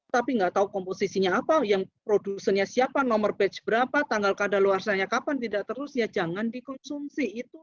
tapi nggak tahu komposisinya apa yang produsennya siapa nomor batch berapa tanggal keadaan luar sana kapan tidak terus ya jangan dikonsumsi itu